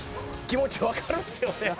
気持ち分かるんすよね。